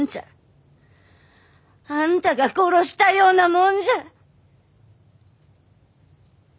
あんたが殺したようなもんじゃ！